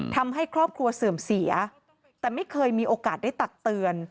ทำให้ครอบครัวเสื่อมเสียแต่ไม่เคยมีโอกาสได้ตักเตือน